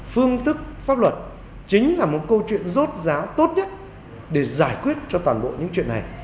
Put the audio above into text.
phương tức pháp luật chính là một câu chuyện rốt giáo tốt nhất để giải quyết cho toàn bộ những chuyện này